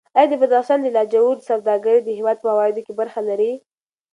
ایا د بدخشان د لاجوردو سوداګري د هېواد په عوایدو کې برخه لري؟